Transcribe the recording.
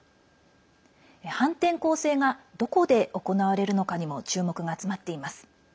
反転攻勢がどこで行われるのかにも注目が集まっています。